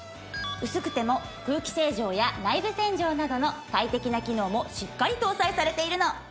薄くても空気清浄や内部洗浄などの快適な機能もしっかり搭載されているの。